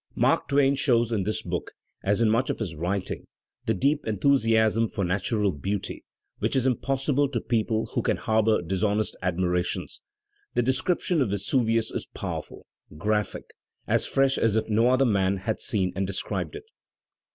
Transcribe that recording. Mark Twain shows in this book, as in Digitized by VjOOQIC MARK TWAIN ^55 much of his writing, the deep enthusiasm for natural beauty which is impossible to people who can harbour dishonest admirations. The description of Vesuvius is powerful, ^aphic, as fresh as if no other man had seen and described it.